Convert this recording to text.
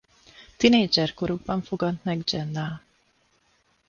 Tinédzser korukban fogant meg Jenna.